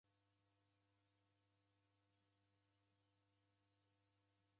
Kiruw'uko chedukwa ni machi.